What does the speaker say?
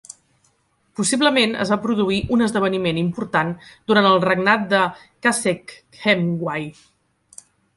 Possiblement es va produir un esdeveniment important durant el regnat de Khasekhemwy.